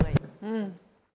うん。